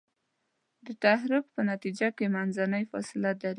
د تحرک په نتیجه کې منځنۍ فاصله ډیریږي.